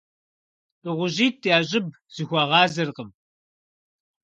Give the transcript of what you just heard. ДыгъужьитӀ я щӀыб зэхуагъазэркъым.